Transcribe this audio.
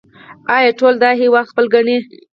آیا ټول دا هیواد خپل ګڼي؟